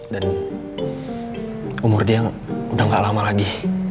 dan umur dia udah gak lama lagi